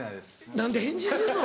何で返事すんの！